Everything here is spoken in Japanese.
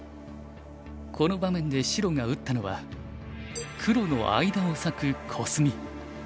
この場面で白が打ったのは黒の間を裂くコスミ。